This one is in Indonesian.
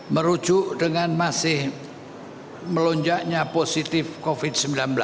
merujuk dengan masih melonjaknya positif covid sembilan belas